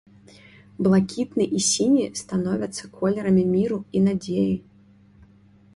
Блакітны і сіні становяцца колерамі міру і надзеі.